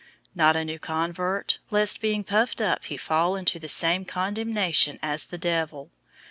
003:006 not a new convert, lest being puffed up he fall into the same condemnation as the devil.